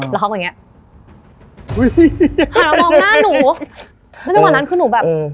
แล้วเขาก็อย่างเงี้ยอุ้ยหันมามองหน้าหนูแล้วจังหวะนั้นคือหนูแบบเออ